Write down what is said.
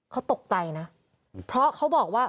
เขาตกใจนะเพราะเขาบอกว่า